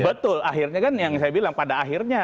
betul akhirnya kan yang saya bilang pada akhirnya